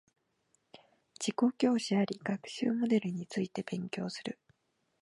自己教師あり学習モデルについて勉強する